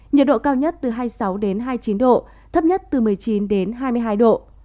nhiệt độ cao nhất từ hai mươi sáu đến hai mươi chín độ thấp nhất từ một mươi chín độ